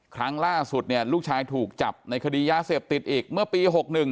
ครั้งล่าสุดเนี่ยลูกชายถูกจับในคดียาเสพติดอีกเมื่อปี๖๑